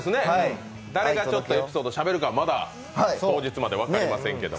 誰がエピソードをしゃべるか当日まで分かりませんけれども。